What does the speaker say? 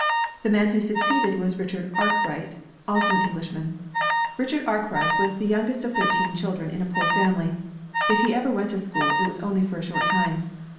The man who succeeded was Richard Arkwright, also an Englishman. Richard Arkwright was the youngest of thirteen children SPINNING MACraNES 95 in a poor family. If he ever went to school, it was only for a short time.